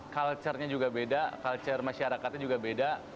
culture nya juga beda culture masyarakatnya juga beda